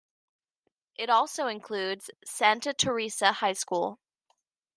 It also includes Santa Teresa High School.